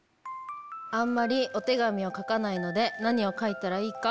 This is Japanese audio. あんまりお手紙を書かないので何を書いたらいいか。